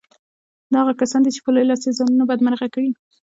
دا هغه کسان دي چې په لوی لاس یې ځانونه بدمرغه کړي